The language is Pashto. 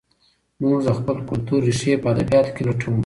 موږ د خپل کلتور ریښې په ادبیاتو کې لټوو.